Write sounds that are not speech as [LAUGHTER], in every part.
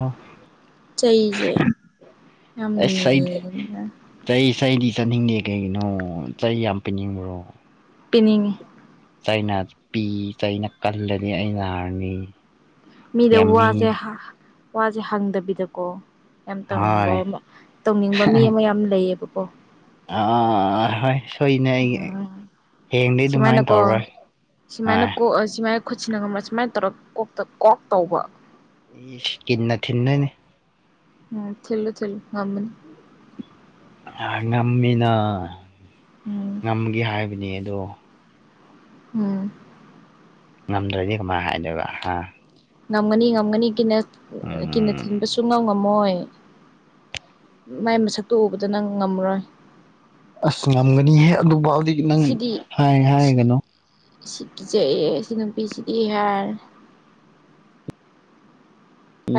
ꯑ [UNINTELLIGIBLE] ꯆꯩꯁꯦ ꯑꯁ ꯑꯩ ꯌꯥꯝꯅꯤꯌꯦꯕꯥ ꯆꯩ ꯁꯩꯗꯤ ꯆꯥꯅꯤꯡ ꯀꯩꯅꯣ ꯆꯩ ꯌꯥꯝ ꯄꯤꯅꯤꯡꯕ꯭ꯔꯣ ꯄꯤꯅꯤꯡꯉꯤ ꯆꯩꯩꯅ ꯄꯤ ꯆꯩꯩꯅ ꯀꯜꯂꯗꯤ ꯑꯩ ꯅꯥꯔꯅꯤ ꯃꯤꯗ ꯌꯥꯝꯃꯤ ꯋꯥꯁꯦ ꯕ ꯕ ꯋꯥꯁꯦ ꯍꯪꯗꯕꯤꯗꯀꯣ ꯌꯥꯝ ꯇꯧꯅꯤꯡꯕ ꯍꯣꯏ ꯑꯃ ꯇꯧꯅꯤꯡꯕ ꯃꯤ ꯑꯃ ꯌꯥꯝ ꯂꯩꯌꯦꯕꯀꯣ ꯑ ꯍꯣꯏ ꯁꯣꯏꯅꯦ ꯑꯩ ꯎꯝ ꯍꯌꯦꯡꯗꯩꯩ ꯑꯗꯨꯃꯥꯏꯅ ꯇꯧꯔꯣꯏ ꯑ ꯑꯣ ꯑꯁꯤ ꯃꯥꯏ ꯈꯨꯠꯁꯤꯟꯅꯒ ꯁꯨꯃꯥꯏꯅ ꯇꯧꯔꯒ ꯀꯣꯛꯇ ꯀꯣꯛ ꯇꯧꯕ ꯏꯁ ꯀꯤꯟꯅ ꯊꯤꯟꯗꯣꯏꯅꯤ ꯎꯝ ꯊꯤꯜꯂꯨ ꯊꯤꯜꯂꯨ ꯉꯝꯕꯅꯤ ꯉꯝꯃꯤꯅ ꯎꯝ ꯉꯝꯒꯦ ꯍꯥꯏꯕꯅꯤ ꯑꯗꯣ ꯎꯝ ꯉꯝꯗ꯭ꯔꯗꯤ ꯀꯃꯥꯏꯅ ꯍꯥꯏꯗꯣꯏꯕ ꯍꯥ ꯉꯝꯒꯥꯅꯤ ꯉꯃꯒꯅꯤ ꯀꯤꯟꯅ ꯀꯤꯟꯅꯥ ꯎꯝ ꯊꯤꯅꯕꯥ ꯁꯨꯛ ꯉꯝꯃꯣꯏ ꯃꯥꯏ ꯃꯁꯛꯇꯨ ꯎꯕꯗ ꯅꯪ ꯉꯝꯃꯔꯣꯏ ꯑꯁ ꯉꯝꯒꯅꯤꯍꯦ ꯑꯗꯨꯐꯥꯎꯗꯤ ꯅꯪ ꯁꯤꯗꯤ ꯍꯥꯏ ꯁꯤ ꯍꯥꯏꯒꯅꯣ ꯁꯤ ꯀꯤꯖꯌꯦ ꯁꯤ ꯅꯨꯄꯤꯁꯤꯗꯤ ꯍꯥꯏꯔꯅꯤ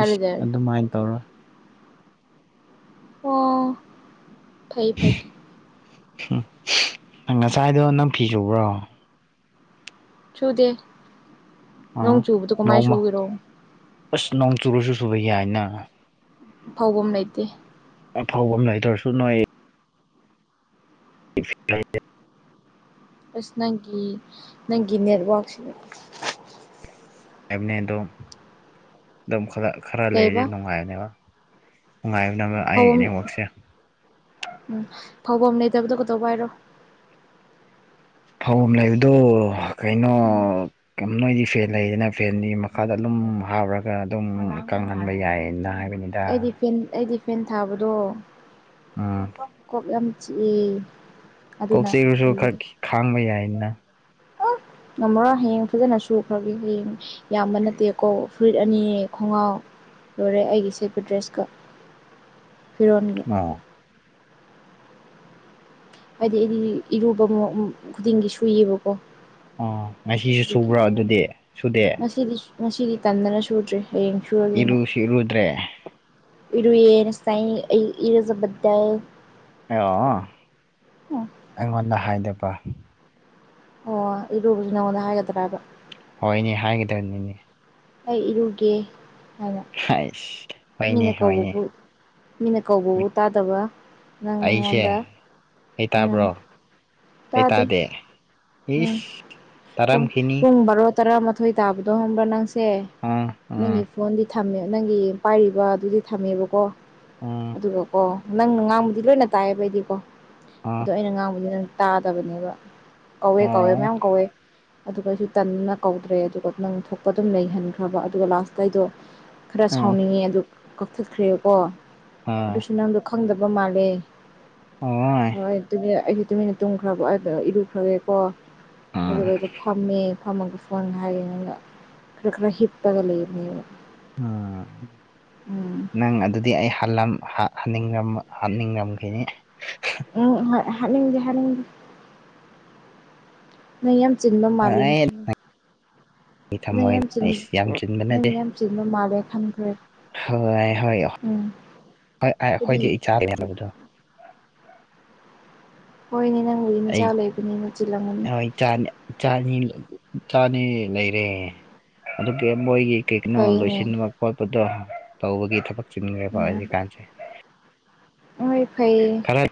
ꯏꯁ ꯑꯗꯨꯃꯥꯏꯅ ꯇꯧꯔꯣꯏ ꯑꯣ ꯐꯩ ꯐꯩ ꯍꯨꯝ ꯅꯪ ꯉꯁꯥꯏꯗꯣ ꯅꯪ ꯐꯤ ꯁꯨꯕ꯭ꯔꯣ ꯁꯨꯗꯦ ꯑ ꯅꯣꯡ ꯆꯨꯕꯗꯣ ꯀꯃꯥꯏꯅ ꯅꯣꯡꯃ ꯁꯨꯒꯦꯔꯣ ꯑꯁ ꯅꯣꯡ ꯆꯨꯔꯁꯨ ꯁꯨꯕ ꯌꯥꯏꯅ ꯐꯥꯎꯕꯥꯝ ꯂꯩꯇꯦ ꯑꯥꯐꯥꯎꯕꯝ ꯂꯩꯇ꯭ꯔꯁꯨ ꯅꯣꯏ [UNINTELLIGIBLE] ꯑꯁ ꯅꯪꯒꯤ ꯅꯪꯒꯤ ꯅꯦꯠꯋꯥꯛꯁꯤꯅꯥ ꯑꯦꯝꯅꯦꯗꯣ ꯑꯗꯨꯝ ꯈꯔ ꯈꯔ ꯂꯩꯔꯗꯤ ꯀꯩꯕ ꯅꯨꯡꯉꯥꯏꯅꯦꯕ ꯅꯨꯡꯉꯥꯏꯕꯅꯦ ꯑꯩ ꯐꯧꯕꯝ ꯅꯦꯠꯋꯥꯛꯁꯦ ꯎꯝ ꯐꯥꯎꯐꯝ ꯂꯩꯇꯕꯗꯣ ꯀꯩꯗꯧꯕ ꯍꯥꯏꯔꯣ ꯐꯧꯐꯝ ꯂꯩꯕꯗꯣ ꯀꯩꯅꯣ ꯎꯝ ꯅꯣꯏꯗꯤ ꯐꯦꯟ ꯂꯩꯗꯅ ꯐꯦꯟꯗꯤ ꯃꯈꯥꯗ ꯑꯗꯨꯝ ꯍꯥꯞꯔꯒ ꯑꯗꯨꯝ ꯀꯪꯍꯟꯕ ꯌꯥꯏꯌꯦꯅ ꯍꯥꯏꯕꯅꯤꯅ ꯑꯩꯗꯤ ꯐꯦꯟ ꯑꯩꯗꯤ ꯐꯦꯟ ꯊꯥꯕꯗꯣ ꯎꯝ ꯀꯣꯛ ꯌꯥꯝ ꯆꯤꯛꯏ ꯀꯣꯛꯆꯤꯒꯁꯨ ꯈꯔ ꯈꯥꯡꯕ ꯌꯥꯏꯅ ꯑꯥ ꯉꯝꯃꯔꯣꯏ ꯍꯌꯦꯡ ꯐꯖꯅ ꯁꯨ ꯈꯔꯒꯦ ꯍꯌꯦꯡ ꯌꯥꯝꯕ ꯅꯠꯇꯦꯀꯣ ꯐꯨꯔꯤꯠ ꯑꯅꯤ ꯈꯣꯡꯒꯥꯎ ꯂꯣꯏꯔꯦ ꯑꯩꯒꯤ ꯁꯦꯠꯄ ꯗ꯭ꯔꯦꯁꯀ ꯐꯤꯔꯣꯟ ꯑꯣ ꯍꯥꯏꯗꯤ ꯑꯩꯗꯤ ꯏꯔꯨꯕ ꯈꯨꯗꯤꯡꯒꯤ ꯁꯨꯏꯌꯦꯕꯀꯣ ꯑꯣ ꯉꯁꯤꯁꯨ ꯑꯗꯨꯒꯤ ꯁꯨꯕ꯭ꯔꯣ ꯑꯗꯨꯗꯤ ꯁꯨꯗꯦ ꯉꯁꯤꯗꯤ ꯉꯁꯤꯗꯤ ꯇꯟꯗꯅ ꯁꯨꯗ꯭ꯔꯦ ꯍꯌꯦꯡ ꯁꯨꯔꯒꯦꯅ ꯏꯔꯨꯁꯨ ꯏꯔꯨꯗ꯭ꯔꯦ ꯏꯔꯨꯌꯦ ꯉꯥꯁꯥꯏ ꯑꯩ ꯏꯔꯨꯖꯕꯗꯣ ꯑꯣ ꯑꯩꯉꯣꯟꯗ ꯍꯥꯏꯗꯕ ꯑꯣ ꯏꯔꯨꯕꯁꯨ ꯅꯪꯉꯣꯟꯗ ꯍꯥꯏꯒꯗ꯭ꯔꯥꯕ ꯍꯣꯏꯅꯦ ꯍꯥꯏꯒꯗꯕꯅꯤꯅꯦ ꯑꯩ ꯏꯔꯨꯒꯦ ꯍꯥꯏꯅ ꯍꯥꯏꯁ ꯍꯣꯏꯅꯦ ꯃꯤꯅ ꯍꯣꯏꯅꯦ ꯀꯧꯕꯕꯨ ꯃꯤꯅ ꯀꯧꯕꯕꯨ ꯇꯥꯗꯕ ꯅꯪꯉꯣꯟꯗ ꯍꯦ ꯇꯥꯕ꯭ꯔꯣ ꯎꯝ ꯇꯥꯗꯦ ꯎꯝ ꯏꯁ ꯄꯨꯡ ꯇꯥꯔꯝꯈꯤꯅꯤ ꯄꯨꯡ ꯕꯔꯣ ꯇꯔꯥꯃꯥꯊꯣꯏ ꯇꯥꯕꯗꯣ ꯍꯪꯕ꯭ꯔꯥ ꯅꯪꯁꯦ ꯑꯪ ꯅꯪꯒꯤ ꯐꯣꯟꯗꯤ ꯊꯝꯃꯦ ꯅꯪꯒꯤ ꯄꯥꯏꯔꯤꯕꯗꯨꯗꯤ ꯊꯝꯃꯦꯕꯀꯣ ꯑꯥ ꯑꯗꯨꯒꯀꯣ ꯅꯪꯅ ꯉꯥꯡꯕꯨꯗꯤ ꯂꯣꯏꯅ ꯇꯥꯏꯌꯦꯕ ꯑꯩꯗꯤꯀꯣ ꯑꯥ ꯑꯗꯣ ꯑꯩꯅ ꯉꯥꯡꯕꯗꯤ ꯅꯪ ꯇꯥꯗꯕꯅꯦꯕ ꯀꯧꯏ ꯀꯧꯏ ꯑꯣ ꯃꯌꯥꯝ ꯀꯧꯏ ꯑꯗꯨꯒ ꯑꯩꯁꯨ ꯇꯟꯗꯅ ꯀꯧꯗ꯭ꯔꯦ ꯑꯗꯨꯒ ꯅꯪ ꯊꯣꯛꯄ ꯑꯗꯨꯝ ꯂꯩꯍꯟꯈ꯭ꯔꯕ ꯑꯗꯨꯒ ꯂꯥꯁꯇ ꯑꯩꯗꯣ ꯈꯔ ꯑꯥ ꯁꯥꯎꯅꯤꯡꯉꯦ ꯑꯗꯨ ꯀꯛꯊꯠꯈ꯭ꯔꯦꯀꯣ ꯑꯥ ꯑꯗꯨꯁꯨ ꯅꯪꯗꯣ ꯈꯪꯗꯕ ꯃꯥꯜꯂꯦ ꯑꯣꯏ ꯍꯣꯏ ꯑꯩꯁꯨ ꯇꯨꯃꯤꯟꯅ ꯇꯨꯝꯈ꯭ꯔꯕ ꯏꯔꯨꯈ꯭ꯔꯒꯦꯀꯣ ꯑꯥ ꯑꯗꯨꯒ ꯑꯩꯗꯨ ꯐꯝꯃꯦ ꯐꯝꯃꯒ ꯐꯣꯟ ꯍꯥꯏꯔꯦ ꯌꯦꯡꯒ ꯈꯔ ꯈꯔ ꯍꯤꯞꯄꯒ ꯂꯩꯕꯅꯦꯕ ꯎꯝ ꯎꯝ ꯅꯪ ꯑꯗꯨꯗꯤ ꯑꯩ ꯍꯜꯂꯝ ꯍ ꯍꯅꯤꯡꯉ ꯍꯥꯅꯤꯡꯉꯝꯈꯤꯅꯤ ꯎꯝ ꯍꯣꯢ ꯍꯥꯠꯅꯤꯡꯗꯤ ꯍꯥꯠꯅꯤꯡꯉꯤ ꯅꯪ ꯌꯥꯝ ꯆꯤꯟꯕ ꯃꯥꯜꯂꯦꯅ ꯑꯩ ꯈꯟ ꯅꯪ ꯊꯝꯃꯣꯏ ꯌꯥꯝ ꯆꯤꯟ ꯑꯩꯁ ꯌꯥꯝ ꯆꯤꯟꯕ ꯅꯪ ꯅꯠꯇꯦ ꯌꯥꯝ ꯆꯤꯟꯕ ꯃꯥꯜꯂꯦ ꯈꯟꯈ꯭ꯔꯦ ꯍꯣꯏ ꯍꯣꯏ ꯍꯣꯏ ꯎꯝ ꯑꯥꯏ ꯍꯥꯏꯗꯤ ꯑꯩꯈꯣꯏꯗꯤ ꯑꯩ ꯆꯥ ꯕꯗꯣ ꯍꯣꯏꯅꯦ ꯅꯪꯕꯨꯗꯤ ꯃꯆꯥ ꯂꯩꯕꯅꯤ ꯆꯤꯜꯂꯝꯒꯅꯤ ꯆꯅꯤ ꯆꯥꯅꯤ ꯂꯩꯔꯦ ꯑꯗꯨꯒ ꯃꯣꯏꯒꯤ ꯀꯩꯒꯤꯅꯣ ꯐꯩꯅꯦ ꯂꯣꯏꯁꯤꯟꯕ ꯈꯣꯠꯄꯗꯣ ꯇꯧꯕꯒꯤ ꯊꯕꯛ ꯎꯝ ꯆꯤꯟꯈ꯭ꯔꯦꯕ ꯎꯝ ꯍꯧꯖꯤꯛꯀꯥꯟꯁꯦ ꯍꯣꯏ ꯐꯩꯌꯦ ꯔꯩ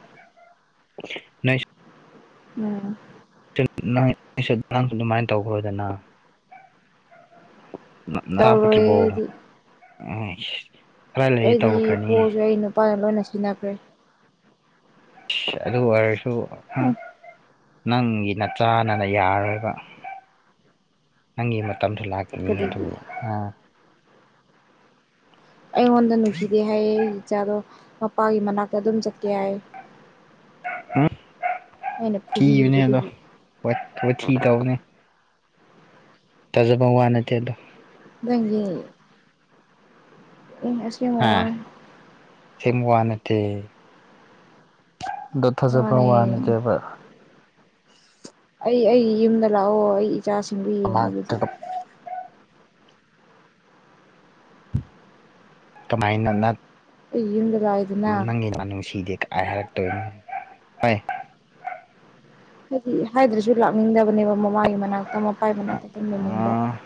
ꯅꯩꯁꯨ [UNINTELLIGIBLE] ꯎꯝ ꯑꯥꯡꯁꯨ ꯑꯗꯨꯃꯥꯏꯅ ꯇꯧꯈ꯭ꯔꯣꯗꯅ ꯅꯥꯔꯥ ꯇꯧꯔꯣꯏ ꯐꯠꯇ꯭ꯔꯤꯕꯣ ꯑꯩꯗꯤ ꯑꯩꯗꯤ ꯄꯣꯁꯨ ꯑꯩ ꯅꯨꯄꯥꯅ ꯂꯣꯏꯅ ꯁꯤꯖꯤꯟꯅꯈ꯭ꯔꯦ ꯑꯁ ꯑꯗꯨ ꯑꯣꯏꯔꯁꯨ ꯎꯝ ꯅꯪꯒꯤ ꯅꯆꯥꯟꯅꯅ ꯌꯥꯔꯣꯏꯕ ꯅꯪꯒꯤ ꯃꯇꯝꯗ ꯂꯥꯛꯈꯤꯅꯤ ꯑꯗꯨ ꯀꯔꯤꯒꯤ ꯒ ꯑꯩꯉꯣꯟꯗ ꯅꯨꯡꯁꯤꯗꯦ ꯍꯥꯏꯌꯦ ꯑꯩ ꯏꯆꯥꯗꯣ ꯃꯄꯥꯒꯤ ꯃꯅꯥꯛꯇ ꯑꯗꯨꯝ ꯆꯠꯀꯦ ꯍꯥꯏ ꯎꯝ ꯑꯩꯅ ꯀꯤꯕꯅꯦ ꯐꯨꯕꯤꯕꯗꯨ ꯑꯗꯣ ꯑꯗꯨꯒꯤ ꯍꯣꯏ ꯍꯣꯏ ꯊꯤ ꯇꯧꯕꯅꯦ ꯇꯥꯖꯕ ꯋꯥ ꯅꯠꯇꯦ ꯑꯗꯣ ꯅꯪꯒꯤ ꯎ [UNINTELLIGIBLE] ꯑ ꯁꯦꯡꯕ ꯋꯥ ꯅꯠꯇꯦ ꯗꯣ ꯊꯖꯕ ꯃꯥꯅꯦ ꯋꯥ ꯅꯠꯇꯦꯕ ꯑꯩ ꯑꯩꯒꯤ ꯌꯨꯝꯗ ꯂꯥꯛꯑꯣ ꯑꯩꯒꯤ ꯏꯆꯥꯁꯤꯡꯗꯨ ꯌꯦꯡꯉꯣ ꯑꯗꯨꯗꯤ ꯀꯃꯥꯏꯅꯅ ꯑꯩꯒꯤ ꯌꯨꯝꯗ ꯂ ꯅꯪꯒꯤ ꯗꯨ ꯅꯨꯡꯁꯤꯗꯦ ꯀꯥꯏ ꯍꯥꯏꯔꯛꯇꯣꯏꯅꯣ ꯍꯣꯏ ꯍꯥꯏꯗꯤ ꯍꯥꯏꯗ꯭ꯔꯁꯨ ꯂꯥꯛꯅꯤꯡꯗꯕꯅꯦꯕ ꯃꯃꯥꯒꯤ ꯃꯅꯥꯛꯇ ꯃꯄꯥꯒꯤ ꯃꯅꯥꯛꯇ ꯇꯨꯝ ꯂꯩꯅꯤꯡꯕ ꯑꯥ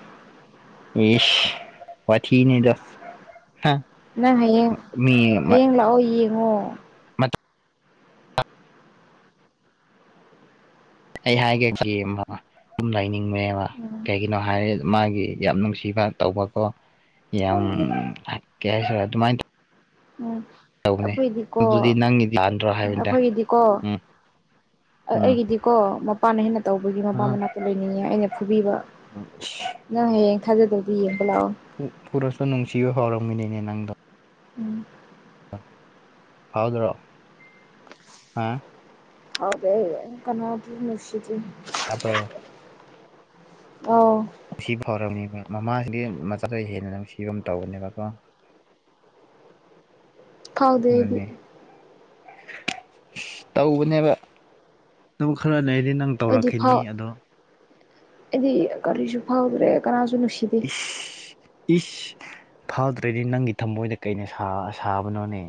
ꯏꯁ ꯋꯥꯊꯤꯅꯦꯗ ꯍꯥ ꯅꯪ ꯍꯌꯦꯡ ꯍꯌꯦꯡ ꯂꯥꯛꯑꯣ ꯌꯦꯡꯉꯣ ꯑꯩ ꯍꯥꯏꯒꯦ ꯊꯦꯝꯕ ꯇꯨꯝ ꯂꯩꯅꯤꯡꯕꯅꯦꯕ ꯎꯝ ꯀꯩꯒꯤ ꯅꯣ ꯍꯥꯏꯔꯦ ꯃꯥꯒꯤ ꯌꯥꯝ ꯅꯨꯡꯁꯤꯕ ꯇꯧꯕꯀꯣ ꯌꯥꯝ ꯈꯪꯗꯦ ꯀꯩ ꯍꯥꯢꯁꯤꯔ ꯑꯗꯨꯃꯥꯏꯅ ꯎꯝ ꯇꯧꯕꯅꯦ ꯑꯩꯈꯣꯏꯗꯤꯀꯣ ꯑꯗꯨꯗꯤ ꯅꯪꯒꯤꯗꯤ ꯂꯥꯟꯗ꯭ꯔꯣ ꯍꯥꯏꯕꯅꯤꯗ ꯑꯩꯈꯣꯏꯒꯤꯗꯤꯀꯣ ꯎꯝ ꯎꯝ ꯑꯩꯒꯤꯗꯤ ꯀꯣ ꯃꯄꯥꯅ ꯍꯦꯟꯅ ꯇꯧꯕꯒꯤ ꯃꯄꯥ ꯃꯅꯥꯛꯇ ꯂꯩꯅꯤꯡꯉꯦ ꯑꯩꯅ ꯐꯨꯕꯤꯕ ꯅꯪ ꯍꯌꯦꯡ ꯊꯥꯖꯗꯕꯗꯤ ꯌꯦꯡꯕ ꯂꯥꯛꯑꯣ [INAUDIBLE] ꯄꯨꯔꯁꯇꯣ ꯅꯨꯡꯁꯤꯕ ꯍꯥꯎꯔꯥꯎ ꯃꯤꯅꯤꯅ ꯅꯥꯡꯗꯝ ꯎꯝ ꯐꯥꯎꯗ꯭ꯔꯣ ꯍꯥ ꯐꯥꯎꯗꯦ ꯀꯅꯥꯗ ꯅꯨꯡꯁꯤꯗꯨꯢꯅꯣ ꯇꯥꯕꯔꯣ ꯑꯧ ꯅꯨꯡꯁꯤ ꯐꯥꯎꯔꯝꯅꯦꯕ ꯃꯃꯥꯁꯤꯗꯤ ꯃꯆꯥꯗꯩ ꯍꯦꯟꯅ ꯅꯨꯡꯁꯤꯕ ꯑꯃ ꯇꯧꯕꯅꯦꯕꯀꯣ ꯐꯥꯎꯗꯦ ꯑꯩꯗꯤ ꯑꯗꯨꯅꯅꯦ ꯇꯧꯕꯅꯦꯕ ꯑꯗꯨꯝ ꯈꯔ ꯂꯩꯗꯤ ꯅꯪ ꯑꯩꯗꯤ ꯇꯧꯔꯛꯈꯤꯅꯤ ꯐꯥꯎ ꯑꯗꯣ ꯑꯩꯗꯤ ꯀꯔꯤꯁꯨ ꯐꯥꯎꯗ꯭ꯔꯦ ꯀꯅꯥꯁꯨ ꯅꯨꯡꯁꯤ ꯏꯁ ꯏꯁ ꯐꯥꯎꯗ꯭ꯔꯗꯤ ꯅꯪꯒꯤ ꯊꯃꯣꯏꯗ ꯀꯩꯅ ꯁꯥꯕꯅꯣꯅꯦ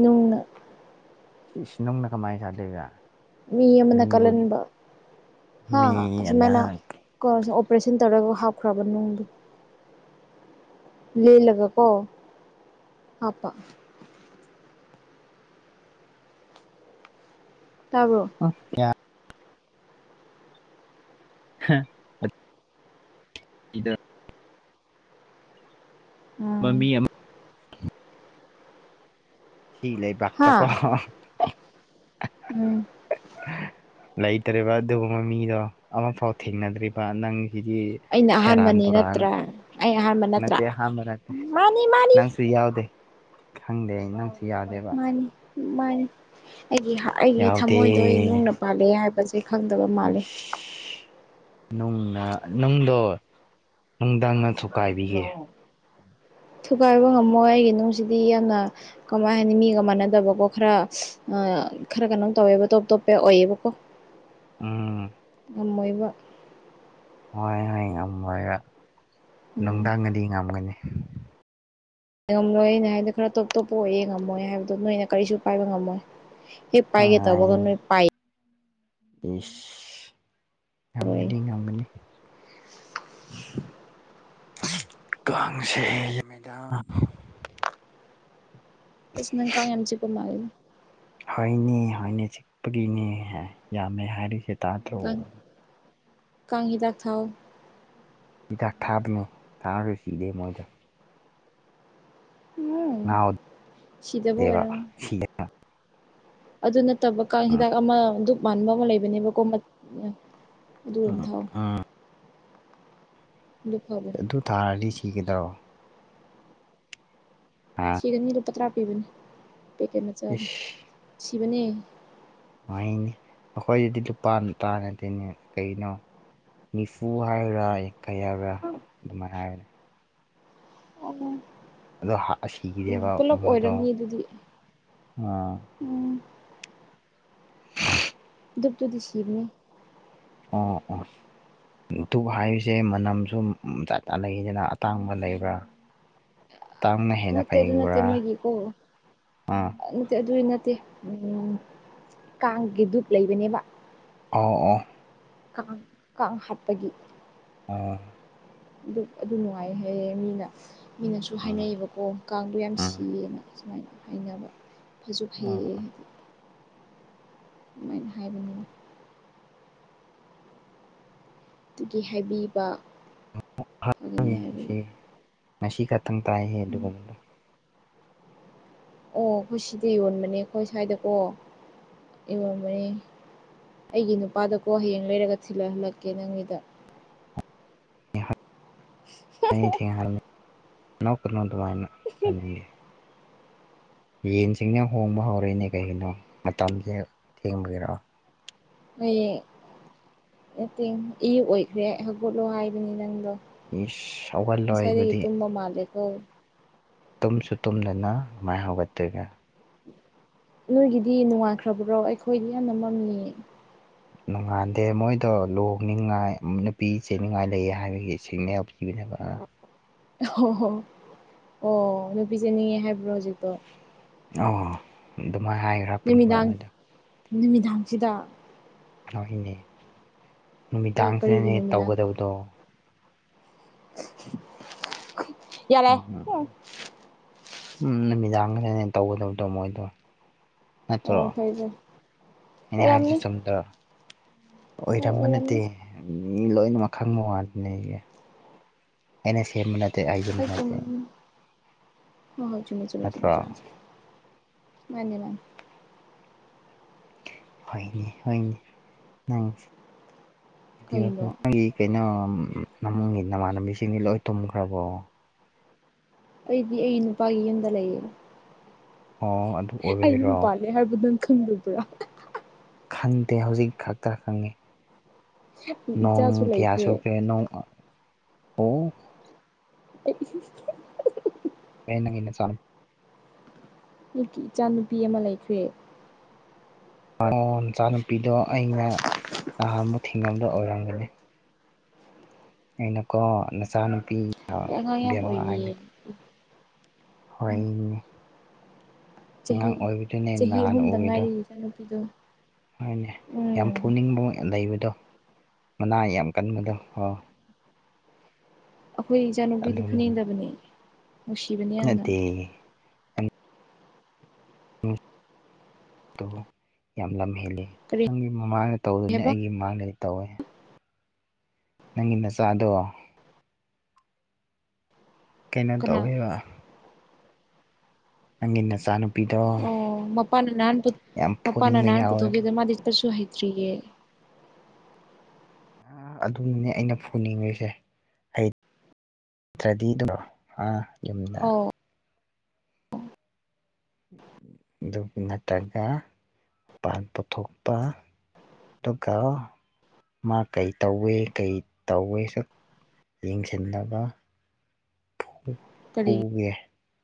ꯅꯨꯡꯅ ꯏꯁ ꯅꯨꯡꯅ ꯀꯃꯥꯏ ꯀꯔꯤꯔ ꯃꯤ ꯑꯃꯅ ꯀꯥꯜꯍꯥꯟꯕ ꯍꯥ ꯃꯤ ꯑꯁꯨꯃꯥꯢꯅ ꯑꯅ ꯀꯣ ꯑꯣꯄꯔꯦꯁꯟ ꯇꯧꯔꯒ ꯍꯥꯞꯈ꯭ꯔꯕ ꯅꯨꯡꯗꯣ ꯂꯦꯜꯂꯒꯣ ꯍꯥꯞꯄ ꯇꯥꯕꯔꯣ ꯑꯣ ꯌꯥꯢ ꯍ [INAUDIBLE] ꯏꯗꯔ [INAUDIBLE] ꯎꯝ ꯃꯃꯤ ꯑꯃ ꯑꯁꯤ ꯂꯩ ꯄꯥꯛꯇ ꯍꯥ ꯀꯣ ꯎꯝ [INAUDIBLE] ꯂꯩꯇ꯭ꯔꯦꯔꯤꯕ ꯑꯗꯨꯒꯨꯝꯕ ꯃꯤꯗꯣ ꯑꯃꯐꯥꯎ ꯊꯦꯡꯅꯗ꯭ꯔꯤꯕ ꯅꯪꯒꯤꯗꯤ ꯑꯩꯅ ꯑꯍꯥꯟꯕꯅꯤ ꯅꯠꯇ꯭ꯔꯥ ꯑꯩ ꯑꯍꯥꯟꯕꯅꯤ ꯅꯠꯇꯦ ꯑꯍꯥꯟꯕ ꯅꯠꯇꯦ ꯅꯪꯁꯨ ꯌꯥꯎꯗꯦ ꯈꯪꯗꯦ ꯑꯩ ꯅꯪꯁꯨ ꯌꯥꯗꯦꯕ ꯃꯥꯅꯤ ꯑꯩꯒꯤ ꯑꯩꯒꯤ ꯌꯥꯎꯗꯦ ꯊꯃꯣꯏꯗꯣ ꯑꯩ ꯅꯨꯡꯅ ꯄꯥꯜꯂꯦ ꯍꯥꯏꯕꯁꯦ ꯈꯪꯗꯕ ꯃꯥꯜꯂꯤ ꯅꯨꯡꯅ ꯅꯨꯡꯗꯣ ꯅꯨꯡꯗꯪꯅ ꯊꯨꯀꯥꯏꯕꯤꯒꯦ ꯊꯨꯒꯥꯏꯕ ꯉꯝꯃꯣꯏ ꯑꯩꯒꯤ ꯅꯨꯡꯁꯤꯗꯤ ꯌꯥꯝꯅ ꯀꯃꯥꯏ ꯍꯥꯏꯅꯤ ꯃꯤꯒ ꯃꯥꯟꯅꯗꯕꯀꯣ ꯈꯔ ꯈꯔ ꯀꯩꯅꯣꯝ ꯇꯧꯋꯦꯕ ꯇꯣꯞ ꯇꯣꯞꯄ ꯑꯣꯏꯌꯦꯕꯀꯣ ꯎꯝ ꯉꯝꯃꯣꯏꯕ ꯍꯣꯏ ꯍꯣꯏ ꯉꯝꯃꯣꯏꯞ ꯎꯝ ꯅꯨꯡꯗꯪꯅꯗꯤ ꯉꯝꯒꯅꯤ ꯉꯝꯂꯣꯏꯅ ꯍꯥꯏꯗꯣ ꯈꯔ ꯇꯣꯞ ꯇꯣꯞꯄ ꯑꯣꯏꯌꯦ ꯉꯝꯃꯣꯏ ꯍꯥꯏꯕꯗꯣ ꯅꯣꯏꯅ ꯀꯔꯤꯁꯨ ꯄꯥꯏꯕ ꯉꯝꯃꯣꯏ ꯍꯦꯛ ꯄꯥꯏꯒꯦ ꯇꯧꯕꯒ ꯅꯣꯏ ꯄꯥꯏ ꯢꯁ ꯄꯥꯏꯔꯣꯏ ꯉꯝꯒꯅꯤ ꯉꯝꯒꯅꯤ ꯀꯥꯡꯁꯦ ꯌꯥꯝꯃꯤꯗꯥ ꯏꯁ ꯅꯪ ꯀꯥꯡ ꯌꯥꯝ ꯆꯤꯛꯄ ꯃꯥꯜꯂꯦ ꯍꯥꯏꯅꯦ ꯍꯥꯏꯅꯦ ꯆꯤꯛꯄꯒꯤꯅꯦ ꯌꯥꯝꯃꯦ ꯍꯥꯏꯔꯤꯁꯦ ꯇꯥꯗ꯭ꯔꯣ ꯀꯥꯡ ꯀꯥꯡ ꯍꯤꯗꯥꯛ ꯊꯥꯎ ꯍꯤꯗꯥꯛ ꯊꯥꯒꯅꯣ ꯊꯥꯔꯒ ꯁꯤꯗꯦ ꯃꯣꯢꯁꯦ ꯎꯝ ꯍ [INAUDIBLE] ꯁꯤꯗꯕ ꯑꯣꯢꯔꯝꯒꯅꯤ ꯑꯗꯨ ꯅꯠꯇꯕ ꯀꯥꯡ ꯍꯤꯗꯥꯛ ꯑꯃ ꯗꯨꯛ ꯃꯥꯟꯕ ꯑꯃ ꯂꯩꯕꯅꯦꯕꯀꯣ ꯑꯗꯨ ꯎꯝ ꯊꯥꯎ ꯑꯗꯨ ꯐꯕꯅꯦ ꯑꯗꯨ ꯊꯔꯥꯗꯤ ꯁꯤꯒꯥꯗꯔꯣ ꯑꯥ ꯁꯤꯒꯅꯤ ꯂꯨꯄꯥ ꯇꯔꯥ ꯄꯤꯕꯅꯦ ꯄꯦꯀꯦꯠ ꯃꯆꯥ ꯑꯗꯨ ꯏꯁ ꯁꯤꯕꯅꯦ [UNINTELLIGIBLE] ꯑꯩꯈꯣꯌꯒꯤ ꯂꯨꯄꯥ ꯅꯨꯄꯥ ꯅꯥꯠꯇꯦꯅꯦ ꯀꯔꯤꯅꯣ ꯅꯤꯐꯨ ꯍꯥꯌꯔꯒꯥ ꯀꯤꯌꯥꯔꯥ ꯑꯗꯨꯃꯥꯏꯍꯥꯏꯕꯅꯦ ꯎꯝ ꯑꯗꯣ ꯍꯠꯂꯥ ꯁꯤꯈꯔꯦꯕ ꯄꯨꯂꯞ ꯃꯣꯏꯗꯣ ꯑꯣꯏꯔꯝꯅꯤ ꯎꯝ ꯎꯝ [UNINTELLIGIBLE] ꯁꯤꯕꯅꯤ ꯑ ꯑꯥ ꯗꯨꯛ ꯍꯥꯏꯔꯤꯁꯦ ꯃꯅꯝꯁꯨ ꯖꯠ ꯖꯠ ꯂꯩꯗꯅ ꯑꯇꯥꯡꯕ ꯂꯩꯕ꯭ꯔꯥ [INAUDIBLE] ꯍꯦꯟꯅ ꯅꯠꯇꯦ ꯑꯗꯨ ꯅꯠꯇꯦ ꯐꯩꯕ꯭ꯔꯥ ꯃꯣꯏꯒꯤꯀꯣ ꯅꯠꯇꯦ ꯑꯗꯨꯗꯤ ꯅꯠꯇꯦ ꯎꯟ ꯀꯥꯡꯒꯤ ꯗꯨꯞ ꯂꯩꯕꯅꯦꯕ ꯑꯣ ꯑꯣ ꯀꯥꯡ ꯀꯥꯡ ꯍꯥꯠꯄꯒꯤ ꯑꯣ ꯑꯗꯨ ꯑꯗꯨ ꯅꯨꯡꯉꯥꯏ ꯍꯥꯏꯌꯦ ꯃꯤꯅ ꯃꯤꯅꯁꯨ ꯍꯥꯏꯅꯩꯌꯦꯕꯀꯣ ꯀꯥꯡꯗꯣ ꯌꯥꯝ ꯎꯝ ꯁꯤꯌꯦꯅ ꯁꯨꯃꯥꯏꯅ ꯍꯥꯏꯅꯕ ꯐꯁꯨ ꯎꯝ ꯑꯣ ꯐꯩꯌꯦ ꯀꯥ ꯑꯗꯨꯃꯥꯏꯅ ꯍꯥꯏꯕꯅꯤꯅ ꯑꯗꯨꯒꯤ ꯍꯥꯏꯕꯤꯕ ꯐꯒꯅꯤ ꯍꯥꯏꯕꯒꯤ [INAUDIBLE] ꯉꯁꯤ ꯈꯛꯇꯪ ꯇꯥꯏꯌꯦ ꯑꯗꯨꯒꯨꯝꯕꯗꯣ ꯑꯣ ꯑꯩꯈꯣꯏꯒꯤ ꯁꯤꯗ ꯌꯣꯟꯕꯅꯦ ꯑꯩꯈꯣꯏꯒꯤ ꯁ꯭ꯋꯥꯏ ꯗꯀꯣ ꯌꯣꯟꯕꯅꯦ ꯑꯩꯒꯤ ꯅꯨꯄꯥꯗꯀꯣ ꯍꯌꯦꯡ ꯂꯩꯔꯒ ꯊꯤꯜꯂꯛꯍꯜꯂꯛꯀꯦ ꯅꯪꯒꯤꯗ [UNINTELLIGIBLE] ꯅꯣꯛꯀꯅꯣ ꯑꯗꯨꯃꯥꯏꯅꯥ ꯇꯅꯤꯡꯗꯦ ꯌꯦꯟꯁꯤꯡꯅ ꯍꯣꯡꯕ ꯍꯧꯔꯛꯏꯅꯦ ꯀꯩꯒꯤꯅꯣ ꯃꯇꯝꯁꯦ ꯊꯦꯡꯕꯒꯤꯔꯣ ꯍꯌꯦꯡ ꯅꯠꯇꯦꯡ ꯏꯌꯨ ꯑꯣꯏꯈ꯭ꯔꯦ ꯍꯧꯒꯠꯂꯣ ꯍꯥꯏꯕꯅꯤ ꯅꯪꯗꯣ ꯏꯁ ꯍꯧꯒꯠꯂꯣꯏ ꯃꯁꯥꯏꯗꯒꯤ ꯑꯗꯨꯗꯤ ꯇꯨꯝꯕ ꯃꯥꯂꯒ ꯇꯨꯝꯁꯨ ꯇꯨꯝꯗꯅ ꯀꯃꯥꯏ ꯍꯧꯒꯠꯇꯣꯏꯒ ꯅꯣꯏꯒꯤꯗꯤ ꯅꯨꯪꯉꯟꯈꯔꯥꯕꯣ ꯑꯩꯈꯣꯏꯗꯤ ꯌꯥꯝꯅ ꯃꯝꯅꯤꯌꯦ ꯅꯣꯡꯉꯥꯟꯗꯦ ꯃꯣꯏꯗꯣ ꯂꯨꯍꯅꯤꯡꯉꯥꯏ ꯅꯨꯄꯤ ꯆꯦꯅꯤꯡꯉꯥꯏ ꯂꯩꯌꯦ ꯍꯥꯏꯕꯒꯤ ꯁꯤꯒꯅꯥꯜ ꯀꯕ [UNINTELLIGIBLE] ꯑꯣ ꯍꯣ ꯑꯣ ꯅꯨꯄꯤ ꯁꯦꯅꯤꯡꯉꯦ ꯍꯥꯏꯕ꯭ꯔꯣ ꯍꯧꯖꯤꯛꯇꯣ ꯑꯣ ꯑꯗꯨꯃꯥꯏꯅ ꯍꯥꯏꯌ ꯅꯨꯃꯤꯗꯥꯡ ꯅꯨꯃꯤꯗꯥꯡꯁꯤꯗ ꯍꯣꯏ ꯅꯦ ꯑꯦ ꯀꯔꯤꯒꯤ ꯅꯨꯃꯤꯗꯥꯡꯁꯤꯗꯅꯦ ꯅꯨꯃꯤꯗꯥꯡ ꯇꯧꯒꯗꯕꯗꯣ ꯌꯥꯔꯦ ꯎꯝ ꯅꯨꯃꯤꯗꯥꯡꯒꯗꯅꯦ ꯇꯧꯒꯗꯕꯗꯣ ꯃꯣꯏꯗꯣ ꯅꯠꯇ꯭ꯔꯣ ꯑꯣ ꯐꯩ ꯐꯩ ꯑꯩꯅ ꯍꯥꯏꯕꯁꯦ ꯑꯣꯏꯔꯝꯅꯤ ꯆꯨꯝꯗ꯭ꯔ ꯍꯣꯏ ꯑꯣꯏꯔꯝꯕ ꯑꯣꯏꯔꯝꯅꯤ ꯅꯠꯇꯦ ꯃꯤ ꯂꯣꯏꯅꯥꯃꯛ ꯈꯪꯕꯥ ꯋꯥꯌꯦ ꯑꯩꯅ ꯁꯦꯝꯕꯅꯠꯇꯦ ꯍꯣꯏ ꯆꯨꯝ ꯍꯣꯏ ꯍꯣꯏ ꯆꯨꯝꯃꯦꯆꯨꯝꯃꯦ ꯅꯠꯇ꯭ꯔꯣ ꯆꯨꯝꯃꯦ ꯃꯥꯅꯦꯃꯥꯅꯦ [INAUDIBLE] ꯀꯩꯅꯣ ꯀꯩꯅꯣ ꯏꯃꯨꯡꯒꯤ ꯅꯃꯥꯟꯅꯕꯤꯁꯤꯡꯗꯤ ꯂꯣꯏ ꯇꯨꯝꯈ꯭ꯔꯕꯣ ꯑꯩꯗꯤ ꯑꯩ ꯅꯨꯄꯥꯒꯤ ꯌꯨꯝꯗ ꯂꯩꯌꯦ ꯑꯣ ꯑꯗꯨ ꯑꯩ ꯌꯨꯝ ꯑꯣꯏꯕꯒꯤꯔꯣ ꯄꯥꯜꯂꯦ ꯍꯥꯏꯕꯗꯨ ꯅꯪ ꯈꯪꯗꯕ꯭ꯔꯥ ꯈꯪꯗꯦ ꯍꯧꯖꯤꯛ ꯈꯛꯇ ꯈꯪꯉꯤ ꯑꯩ ꯏꯆꯥꯁꯨ ꯅꯣꯡꯀꯌꯥ ꯂꯩꯈ꯭ꯔꯦ ꯁꯨꯈ꯭ꯔꯦ ꯅꯣꯡ ꯑꯣ [INAUDIBLE] ꯑꯩ ꯅꯪꯒꯤ ꯅꯥꯆ ꯑꯩꯒꯤ ꯏꯆꯥ ꯅꯨꯨꯄꯤ ꯑꯃ ꯂꯩꯈ꯭ꯔꯦ ꯑꯣ ꯃꯆꯥꯅꯨꯄꯤꯗꯣ ꯑꯩꯅ ꯅꯍꯥꯟꯃꯨꯛ ꯊꯦꯡꯅꯕꯗ‌ꯣ ꯑꯣꯏꯔꯝꯒꯅꯤ ꯑꯩꯅꯀꯣ ꯅꯆꯥꯅꯨꯄꯤ ꯑꯉꯥꯡ ꯌꯥꯝ ꯕꯦꯝꯃ ꯑꯣꯏꯔꯤꯌꯦ ꯍꯥꯏꯅ ꯍꯣꯏꯅꯦ ꯆꯍꯤ ꯑꯉꯥꯡ ꯑꯣꯏꯕꯗꯨꯅꯦ ꯆꯍꯤ ꯅꯍꯥꯟ ꯑꯍꯨꯝꯗ ꯎꯔꯤꯗꯣ ꯉꯥꯏꯔꯤꯗ ꯏꯆꯥ ꯅꯨꯄꯤꯗꯣ ꯍꯣꯏꯅꯦ ꯌꯥꯝ ꯐꯨꯅꯤꯡꯕ ꯂꯩꯕꯗꯣ ꯃꯅꯥ ꯌꯥꯝ ꯀꯟꯕꯗꯣ ꯑꯣ ꯑꯩꯈꯣꯏ ꯏꯆꯥꯅꯨꯄꯤꯗꯤ ꯑꯗꯨꯅꯅꯤ ꯐꯨꯅꯤꯡꯗꯕꯅ‌ꯦ ꯅꯨꯡꯁꯤꯕꯅ‌ꯦ ꯌꯥꯝꯅ ꯅꯠꯇꯦ ꯑꯗꯨ ꯌꯥꯝ ꯂꯝ ꯍꯦꯜꯂꯤ ꯀꯔꯤ ꯅꯪꯒꯤ ꯃꯃꯥꯡꯗ ꯇꯧꯗ‌ꯦꯅꯤ ꯍꯥꯏꯕ ꯑꯩꯒꯤ ꯃꯃꯥꯡꯗꯗꯤ ꯇꯧꯋꯦ ꯅꯪꯒꯤ ꯅꯆꯥꯗꯣ ꯀꯩꯅꯣ ꯀꯅꯥ ꯇꯧꯋꯦꯕ ꯅꯪꯒꯤ ꯅꯆꯥ ꯅꯨ ꯑꯣ ꯃꯄꯥꯥꯟꯅ ꯅꯍꯥꯟ ꯄꯨ ꯌꯥꯝ ꯃꯄꯥꯥꯅ ꯐꯨꯅꯤꯡꯕ ꯅꯍꯥꯟ ꯌꯥꯎꯋꯦꯕ ꯄꯨꯊꯣꯛꯈꯤꯗ ꯃꯥꯗꯤ ꯆꯠꯄꯁꯨ ꯍꯩꯇ꯭ꯔꯤꯌꯦ ꯑ ꯑꯗꯨꯅꯦ ꯑꯩꯅ ꯐꯨꯅꯤꯡꯔꯤꯁꯦ ꯑꯩ ꯅꯠꯇ꯭ꯔꯗꯤ [UNINTELLIGIBLE] ꯑꯥ ꯌꯨꯝꯗ ꯑꯧ ꯑꯗꯨꯒꯤ ꯅꯠꯇ꯭ꯔꯒ ꯄꯥꯟ ꯄꯨꯊꯣꯛꯄ ꯗꯨꯒꯥ ꯃꯥ ꯀꯩ ꯇꯧꯋꯦ ꯀꯩ ꯇꯧꯋꯦꯁꯨ ꯌꯦꯡꯁꯤꯟꯗꯕ ꯐꯨ ꯀꯔꯤ ꯐꯨꯒꯦ